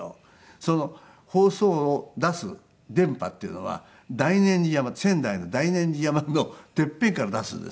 その放送を出す電波っていうのは大年寺山仙台の大年寺山のてっぺんから出すんですよ。